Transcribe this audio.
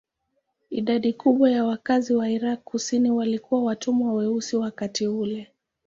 Idadi kubwa ya wakazi wa Irak kusini walikuwa watumwa weusi wakati ule.